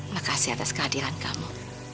makasih atas kehadiran kamu